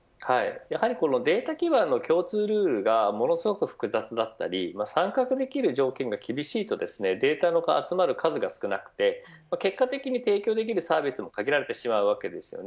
データ基盤の共通ルールがものすごく複雑だったり参画できる条件が厳しいとデータの集まる数が少なくて結果的に提供できるサービスも限られてしまいます。